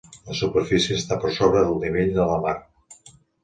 La superfície està per sobre del nivell de la mar.